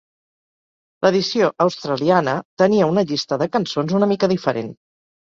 L'edició australiana tenia una llista de cançons una mica diferent.